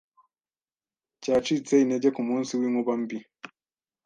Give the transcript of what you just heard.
cyacitse intege kumunsi winkuba mbi